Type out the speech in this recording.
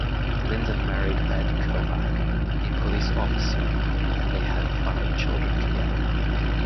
Linda married Ed Kovac, a police officer, and they had five children together.